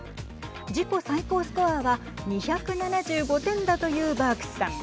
自己最高スコアは２７５点だというバークスさん。